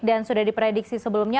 dan sudah diprediksi sebelumnya